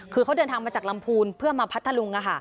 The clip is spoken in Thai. คือเขาเดินทางมาจากลำพูนเพื่อมาพัทธลุง